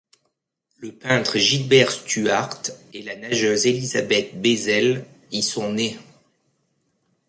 Le peintre Gilbert Stuart et la nageuse Elizabeth Beisel y sont nés.